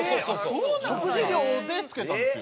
食事量で付けたんですよ。